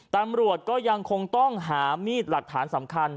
ตำรวจก็ยังคงต้องหามีดหลักฐานสำคัญ